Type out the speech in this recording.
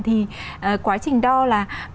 thì quá trình đo là